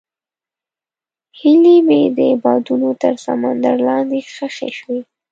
هیلې مې د بادونو تر سندرو لاندې ښخې شوې.